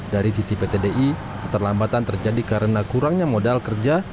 dari sisi pt di keterlambatan terjadi karena kurangnya modal kerja